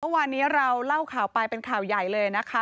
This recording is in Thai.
เมื่อวานนี้เราเล่าข่าวไปเป็นข่าวใหญ่เลยนะคะ